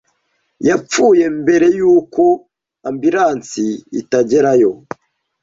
yapfuye mbere yuko ambilansi itagerayo.